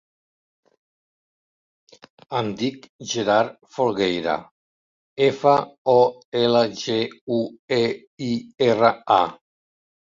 Em dic Gerard Folgueira: efa, o, ela, ge, u, e, i, erra, a.